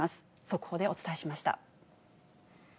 速報でお伝えしました。